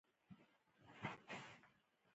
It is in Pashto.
په میوند کې مسلمانانو د کفارو لښکرې تار په تار کړلې.